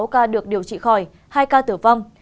ba trăm hai mươi sáu ca được điều trị khỏi hai ca tử vong